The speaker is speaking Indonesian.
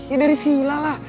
ya dari sila lah